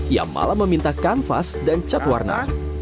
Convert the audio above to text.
ia malah meminta kanvas dan cat warna